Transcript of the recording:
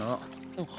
あっ！